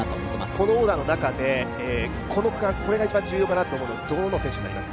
このオーダーの中で、この区間、これが一番重要かなというのはどの選手になりますか？